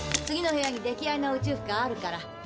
次の部屋に出来合いの宇宙服があるから。